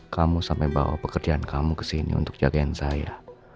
kamu sampai bawa pekerjaan kamu kesini untuk jagain saya